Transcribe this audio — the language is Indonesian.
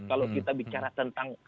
kalau kita bicara tentang